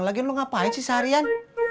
lagian lo ngapain sih seharian